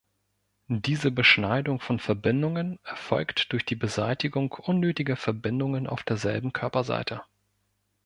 Diese Beschneidung von Verbindungen erfolgt durch die Beseitigung unnötiger Verbindungen auf derselben Körperseite.